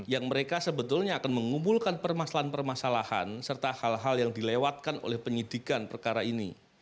yang mereka sebetulnya akan mengumpulkan permasalahan permasalahan serta hal hal yang dilewatkan oleh penyidikan perkara ini